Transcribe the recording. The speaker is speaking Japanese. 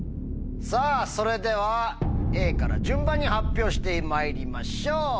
さぁそれではＡから順番に発表してまいりましょう。